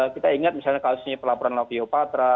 kita ingat misalnya kasusnya pelaporan novio patra